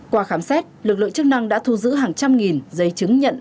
qua khám xét lực lượng chức năng đã thu giữ hàng trăm nghìn giấy chứng nhận